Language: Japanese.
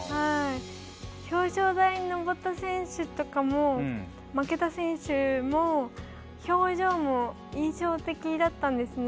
表彰台に上った選手とかも負けた選手も表情も印象的だったんですね。